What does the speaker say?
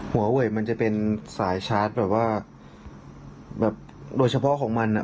หัวเวยมันจะเป็นสายชาร์จแบบว่าแบบโดยเฉพาะของมันอ่ะ